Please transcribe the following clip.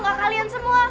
gak kalian semua